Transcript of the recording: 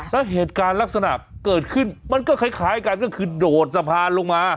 แล้วเหตุการณ์ลักษณะเกิดขึ้นมันก็คล้ายกันก็คือโดดสะพานลงมา